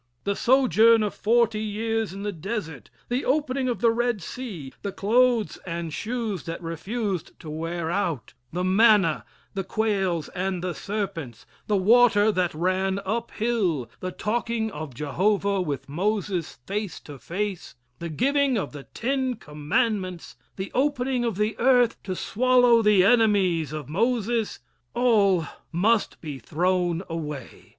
The sojourn of forty years in the desert, the opening of the Red Sea, the clothes and shoes that refused to wear out, the manna, the quails and the serpents, the water that ran up hill, the talking of Jehovah with Moses face to face, the giving of the Ten Commandments, the opening of the earth to swallow the enemies of Moses all must be thrown away.